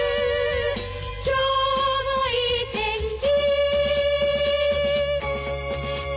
「今日もいい天気」